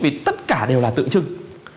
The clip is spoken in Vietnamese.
vì tất cả đều là tượng trưng